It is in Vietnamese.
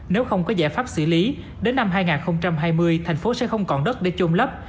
nếu không có giải pháp xử lý đến năm hai nghìn hai mươi thành phố sẽ không còn đất để chôn lấp